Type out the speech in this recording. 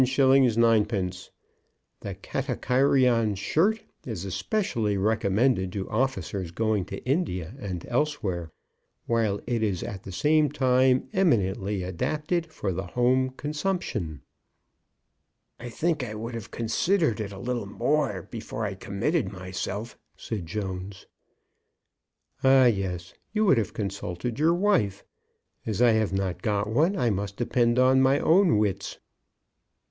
_ 9_d._ The Katakairion Shirt is specially recommended to Officers going to India and elsewhere, while it is at the same time eminently adapted for the Home Consumption. "I think I would have considered it a little more, before I committed myself," said Jones. "Ah, yes; you would have consulted your wife; as I have not got one, I must depend on my own wits."